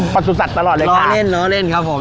ปรสุตสรรค์ตลอดเลยค่ะหลอกเล่นหลอกเล่นครับผม